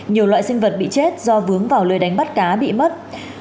nhiều loại sinh vật bị chết do vướng vào lời đánh bắt cá bị mất